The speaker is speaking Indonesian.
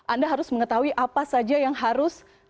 anda harus mengetahui apa saja yang harus